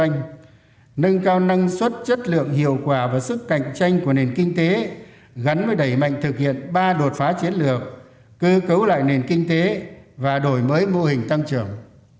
nâng cao năng suất chất lượng hiệu quả và sức cạnh tranh của nền kinh tế gắn với đẩy mạnh thực hiện ba đột phá chiến lược cơ cấu lại nền kinh tế và đổi mới mô hình tăng trưởng